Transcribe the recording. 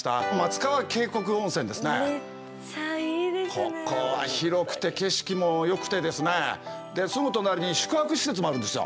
ここは広くて景色もよくてですねですぐ隣に宿泊施設もあるんですよ。